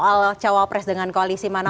soal menyoal cawapres dengan koalisi manapun